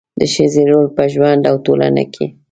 د ښځې رول په ژوند او ټولنه کې